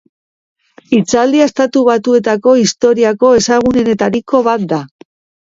Hitzaldia Estatu Batuetako historiako ezagunetariko bat da.